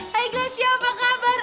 hai glesio apa kabar